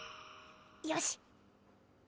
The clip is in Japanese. よし！